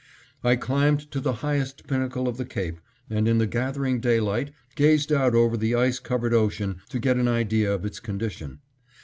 I climbed to the highest pinnacle of the cape and in the gathering daylight gazed out over the ice covered ocean to get an idea of its condition.